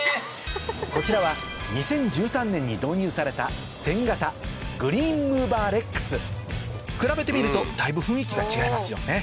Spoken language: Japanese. こちらは２０１３年に導入された比べてみるとだいぶ雰囲気が違いますよね